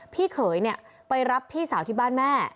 พี่เขยไปรับพี่สาวที่บ้านแม่